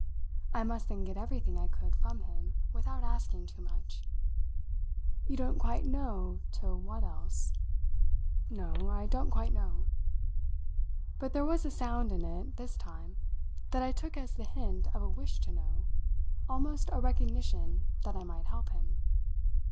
I must then get everything I could from him without asking too much. "You don't quite know to what else?" "No I don't quite know." But there was a sound in it, this time, that I took as the hint of a wish to know almost a recognition that I might help him.